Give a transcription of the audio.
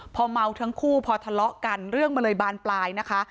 พอเมาทั้งคู่พอทะเลาะกันเรื่องมันเลยบานปลายนะคะ